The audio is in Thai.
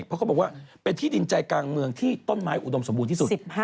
เพราะเขาบอกว่าเป็นที่ดินใจกลางเมืองที่ต้นไม้อุดมสมบูรณ์ที่สุด